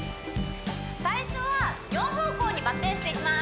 最初は４方向にバッテンしていきます